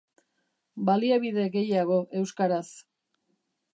Baliabide gehiago euskaraz.